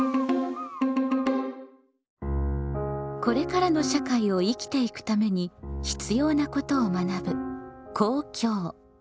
これからの社会を生きていくために必要なことを学ぶ「公共」。